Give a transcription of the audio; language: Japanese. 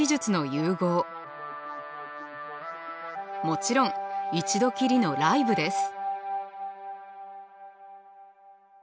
もちろん一度きりのライブです。